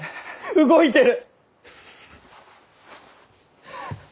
動いてる！